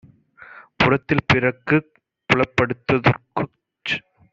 புறத்தில் பிறர்க்குப் புலப்படுத் துதற்குச்